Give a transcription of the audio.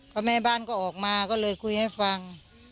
เพราะแม่บ้านก็ออกมาก็เลยคุยให้ฟัง